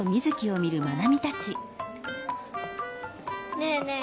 ねえねえ